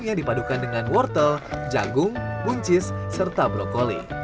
yang dipadukan dengan wortel jagung buncis serta blokoli